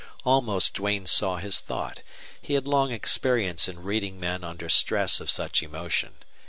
Almost Duane saw his thought. He had long experience in reading men under stress of such emotion.